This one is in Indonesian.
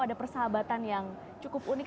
ada persahabatan yang cukup unik